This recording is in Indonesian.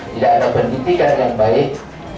tidak ada pendidikan yang baik